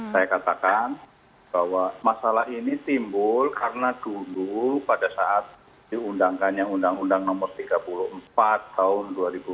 saya katakan bahwa masalah ini timbul karena dulu pada saat diundangkannya undang undang nomor tiga puluh empat tahun dua ribu empat belas